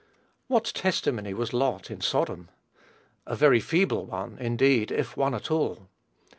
What testimony was Lot in Sodom? A very feeble one, indeed, if one at all.